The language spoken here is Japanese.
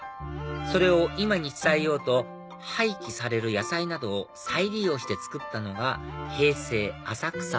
それを今に伝えようと廃棄される野菜などを再利用して作ったのが平成ＡＳＡＫＵＳＡ